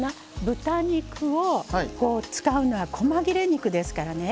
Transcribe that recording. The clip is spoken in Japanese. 豚肉を使うのはこま切れ肉ですからね